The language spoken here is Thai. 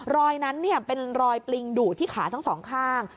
รอยนั้นเป็นรอยปลิงดูดที่ขาทั้งสองข้าง